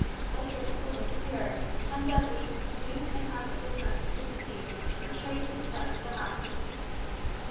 Old Principle disappeared, and Dudley soothed and comforted by his sympathy, retraced his steps to the house.